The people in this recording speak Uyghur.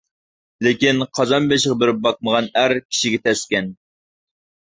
لېكىن قازان بېشىغا بېرىپ باقمىغان ئەر كىشىگە تەسكەن.